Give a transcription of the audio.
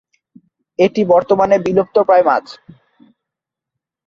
এটি বর্তমানে বিলুপ্তপ্রায় মাছ।